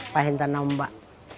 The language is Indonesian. pahen tanah ombak